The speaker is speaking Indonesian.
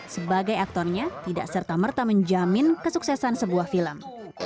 sebagai aktornya tidak serta merta menjamin kesuksesan sebuah film